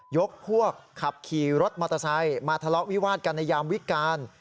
ยกพวกขับขี่รถมอเตอร์ไซค์มาทะเลาะวิวาดกันในยามวิการ